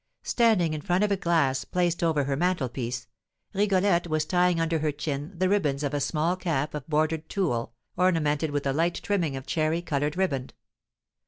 Standing in front of a glass placed over her mantelpiece, Rigolette was tying under her chin the ribands of a small cap of bordered tulle, ornamented with a light trimming of cherry coloured riband.